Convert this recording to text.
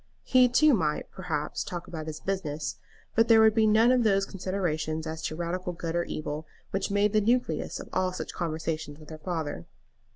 He too might, perhaps, talk about his business; but there would be none of those considerations as to radical good or evil which made the nucleus of all such conversations with her father.